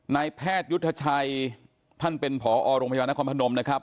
แพทยุทธชัยท่านเป็นผอโรงพยาบาลนครพนมนะครับ